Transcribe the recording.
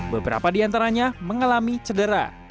beberapa di antaranya mengalami cedera